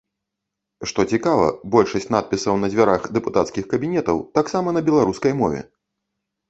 Што цікава, большасць надпісаў на дзвярах дэпутацкіх кабінетаў таксама на беларускай мове.